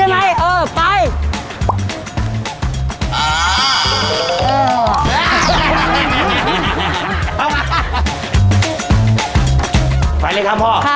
อร่อยมาก